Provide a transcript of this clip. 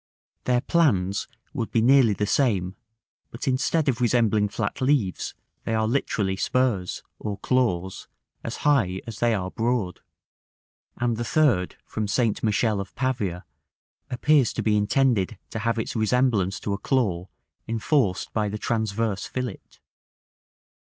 Their plans would be nearly the same; but instead of resembling flat leaves, they are literally spurs, or claws, as high as they are broad; and the third, from St. Michele of Pavia, appears to be intended to have its resemblance to a claw enforced by the transverse fillet.